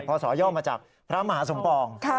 ศย่อมาจากพระมหาสมปอง